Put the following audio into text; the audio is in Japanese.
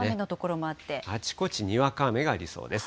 あちこちにわか雨がありそうです。